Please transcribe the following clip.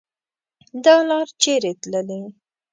دا لار چیري تللي